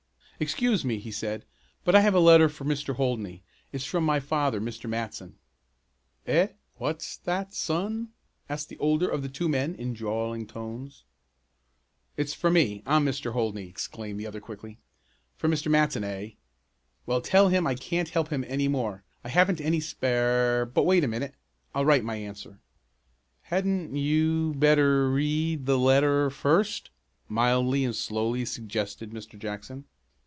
"Excuse me," he said, "but I have a letter for Mr. Holdney. It's from my father, Mr. Matson." "Eh, what's that son?" asked the older of the two men, in drawling tones. "It's for me. I'm Mr. Holdney!" exclaimed the other quickly. "From Mr. Matson, eh? Well tell him I can't help him any more. I haven't any spare but wait a minute, I'll write my answer." "Hadn't you better read the letter first," mildly and slowly suggested Mr. Jackson.